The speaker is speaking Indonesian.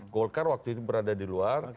golkar waktu itu berada di luar